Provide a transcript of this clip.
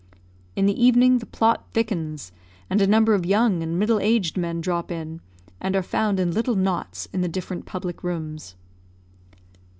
In the evening the plot thickens, and a number of young and middle aged men drop in, and are found in little knots in the different public rooms.